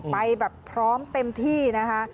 ไปแบบพร้อมเต็มที่นะคะ